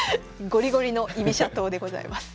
ゴリゴリの居飛車党でございます。